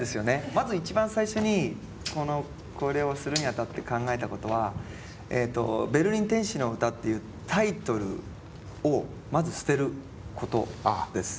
まず一番最初にこれをするにあたって考えたことは「ベルリン・天使の詩」っていうタイトルをまず捨てることです。